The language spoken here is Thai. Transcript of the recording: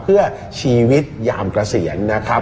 เพื่อชีวิตยามเกษียณนะครับ